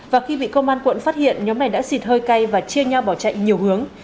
và khi bị công an quận phát hiện nhóm này đã xịt hơi cay và chia nhau bỏ chạy nhiều hướng